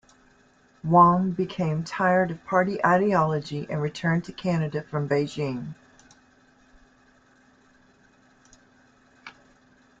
Wong became tired of Party ideology and returned to Canada from Beijing.